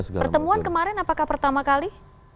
pertemuan kemarin apakah pertama kali